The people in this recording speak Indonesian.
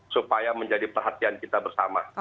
supaya menjadi perhatian kita bersama